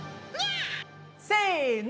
せの！